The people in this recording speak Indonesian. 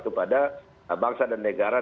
kepada bangsa dan negara